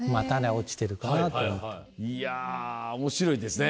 いや面白いですね。